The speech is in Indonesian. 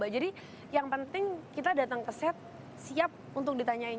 jadi yang penting kita datang ke set siap untuk ditanyain